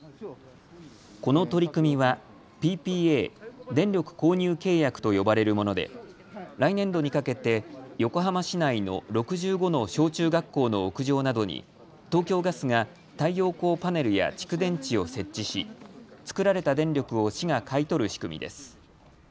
この取り組みはＰＰＡ・電力購入契約と呼ばれるもので来年度にかけて横浜市内の６５の小中学校の屋上などに東京ガスが太陽光パネルや蓄電池を設置し作られた電力を市が買い取る仕組みです。